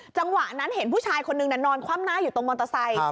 จังหวะนั้นเห็นผู้ชายคนนึงนอนคว่ำหน้าอยู่ตรงมอเตอร์ไซค์